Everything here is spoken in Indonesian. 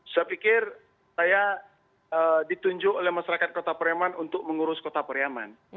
saya pikir saya ditunjuk oleh masyarakat kota periman untuk mengurus kota periaman